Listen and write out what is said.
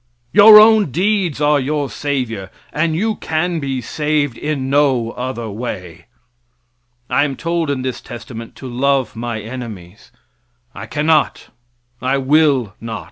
Your own deeds are your savior, and you can be saved in no other way. I am told in this testament to love my enemies. I cannot; I will not.